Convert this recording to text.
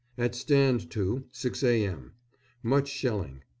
_ At stand to, 6 a.m. Much shelling.